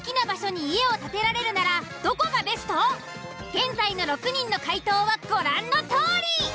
現在の６人の回答はご覧のとおり。